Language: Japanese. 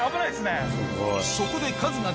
そこでわ。